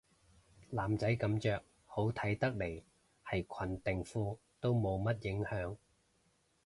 男仔噉着好睇得嚟係裙定褲都冇乜影響